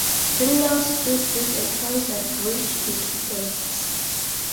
Terminal scute with a transverse ridge and two points.